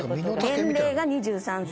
年齢が２３歳。